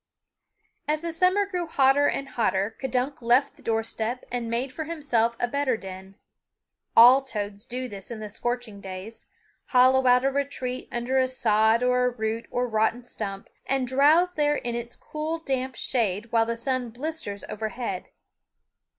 As the summer grew hotter and hotter K'dunk left the door step and made for himself a better den. All toads do this in the scorching days hollow out a retreat under a sod or root or rotten stump, and drowse there in its cool damp shade while the sun blisters overhead.